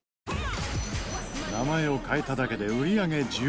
名前を変えただけで売り上げ１０倍。